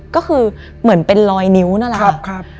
ก็คือเหมือนเป็นลอยนิ้วนั่นแหละ